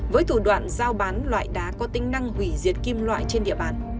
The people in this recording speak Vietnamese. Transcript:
với thủ đoạn giao bán loại đá có tính năng hủy diệt kim loại trên địa bàn